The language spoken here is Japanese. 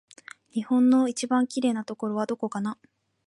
日本の一番きれいなところはどこかな